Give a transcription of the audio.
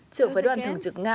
trưởng phái đoàn thường trực nga